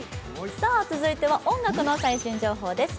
続いては音楽の最新情報です。